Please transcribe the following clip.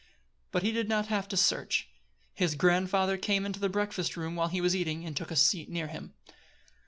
But he did not have to search. His grandfather came into the breakfast room while he was eating, and took a seat near him.